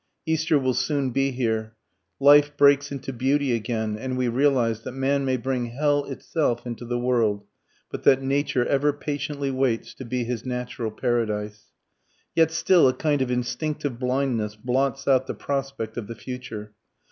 Easter will soon be here. Life breaks into beauty again and we realize that man may bring hell itself into the world, but that Nature ever patiently waits to be his natural paradise. Yet still a kind of instinctive blindness blots out the prospect of the future.